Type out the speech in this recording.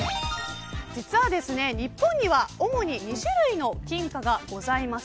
実は金には主に２種類の金貨がございます。